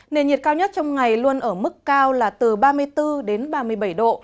nền nhiệt cao nhất trong ngày luôn ở mức cao là từ ba mươi bốn đến ba mươi bảy độ